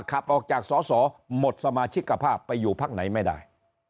ขับออกจากสอสอหมดสมาชิกภาพไปอยู่พักไหนไม่ได้